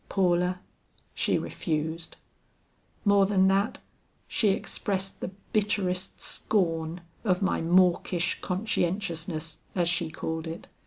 "Paula, she refused. More than that, she expressed the bitterest scorn of my mawkish conscientiousness, as she called it.